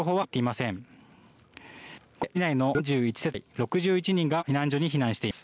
市内の４１世帯６１人が避難所に避難しています。